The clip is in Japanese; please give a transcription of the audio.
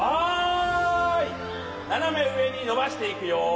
ななめうえにのばしていくよ。